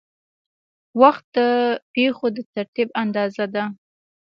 وخت د پېښو د ترتیب اندازه ده.